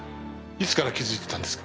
いつから気づいてたんですか？